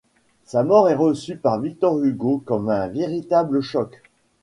Sa mort est reçue par Victor Hugo comme un véritable choc.